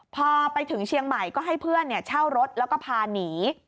พอไปถึงเชียงใหม่ก็ให้เพื่อนเช่ารถแล้วก็พาหนี